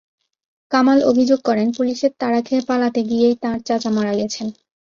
কামাল অভিযোগ করেন, পুলিশের তাড়া খেয়ে পালাতে গিয়েই তাঁর চাচা মারা গেছেন।